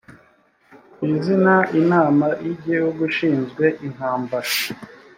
ku izina inama y igihugu ishinzwe intambara